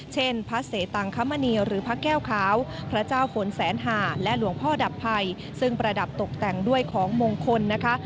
เช่นพระเสตังคมณีหรือพระแก้วขาวพระเจ้าฝนแสนหาและหลวงพ่อดับภัยซึ่งประดับตกแต่งด้วยของมงคลนะคะ